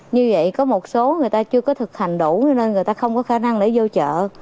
như vậy có một số người ta chưa có thực hành đủ cho nên người ta không có khả năng để vô trợ